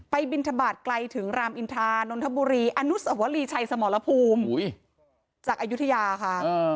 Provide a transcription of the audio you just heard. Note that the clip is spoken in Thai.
บินทบาทไกลถึงรามอินทานนทบุรีอนุสวรีชัยสมรภูมิจากอายุทยาค่ะ